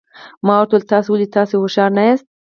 ما ورته وویل تاسي ویل چې تاسي هوښیار نه یاست.